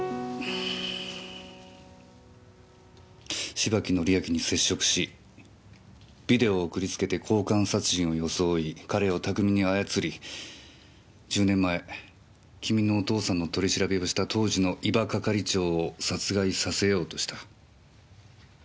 芝木倫明に接触しビデオを送りつけて交換殺人を装い彼を巧みに操り１０年前君のお父さんの取り調べをした当時の伊庭係長を殺害させようとした。